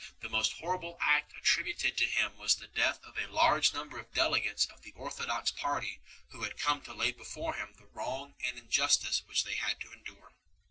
The most horrible act attributed to him was the death of a large number of delegates of the orthodox party who had come to lay before him the wrong and injustice which they had to endure.